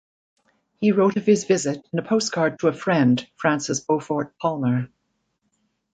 He wrote of his visit in a postcard to a friend, Francis Beaufort Palmer.